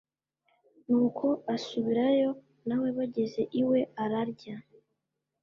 nuko asubirayo na we bageze iwe ararya